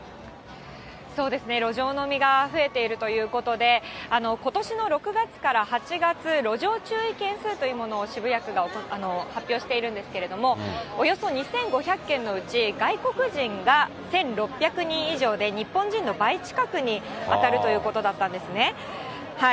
そうですね、路上飲みが増えているということで、ことしの６月から８月、路上注意件数というものを渋谷区が発表しているんですけれども、およそ２５００件のうち、外国人が１６００人以上で、日本人の倍近くに当たるということだったんですね。